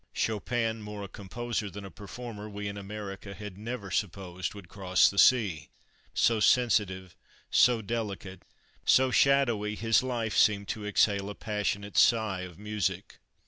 Chopin, more a composer than a performer, we in America had never supposed would cross the sea: so sensitive, so delicate, so shadowy, his life seemed to exhale, a passionate sigh of music.